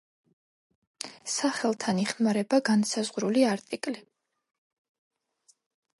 სახელთან იხმარება განსაზღვრული არტიკლი.